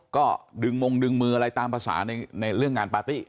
ก็ดึงมงดึงมืออะไรตามภาษาในเรื่องงานปาร์ตี้